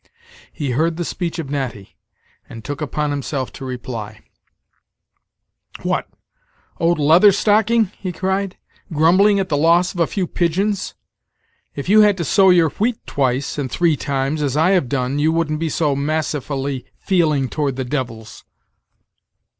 He heard the speech of Natty, and took upon himself to reply: "What! old Leather Stocking," he cried, "grumbling at the loss of a few pigeons! If you had to sow your wheat twice, and three times, as I have done, you wouldn't be so massyfully feeling toward the divils.